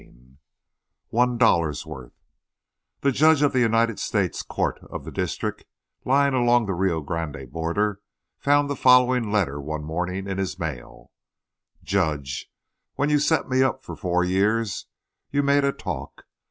XVII ONE DOLLAR'S WORTH The judge of the United States court of the district lying along the Rio Grande border found the following letter one morning in his mail: JUDGE: When you sent me up for four years you made a talk.